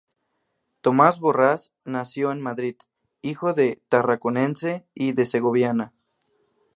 Tomás Borrás nació en Madrid, hijo de tarraconense y de segoviana.